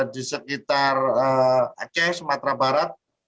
di sekitar aceh sumatera barat